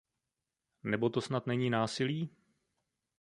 Nebo to snad není násilí?